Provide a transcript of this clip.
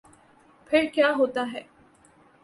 پھر کیا ہوتا ہے۔